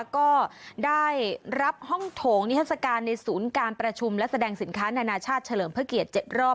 ก็ได้รับห้องโถงนิทัศกาลในศูนย์การประชุมและแสดงสินค้านานาชาติเฉลิมพระเกียรติ๗รอบ